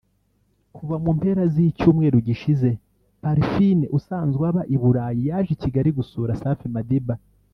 Kuva mu mpera z’icyumweru gishize Parfine usanzwe aba i Burayi yaje i Kigali gusura Safi Madiba